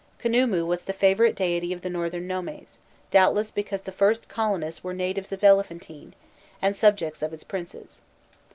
Khnûmû was the favourite deity of the northern nomes, doubtless because the first colonists were natives of Elephantine, and subjects of its princes.